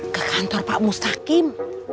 ke kantor pak mustahim